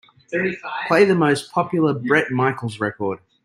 play the most popular Bret Michaels record